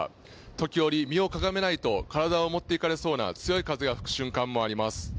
時折身をかがめないと体を持って行かれそうな強い風が吹く瞬間もあります。